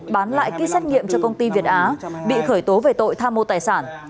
bán lại ký xét nghiệm cho công ty việt á bị khởi tố về tội tham mô tài sản